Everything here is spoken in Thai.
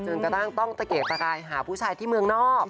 กระทั่งต้องตะเกียกตะกายหาผู้ชายที่เมืองนอก